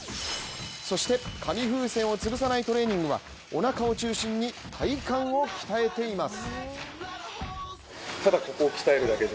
そして紙風船を潰さないトレーニングはおなかを中心に体幹を鍛えています。